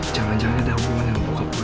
jangan jangan ada umur yang membuka puy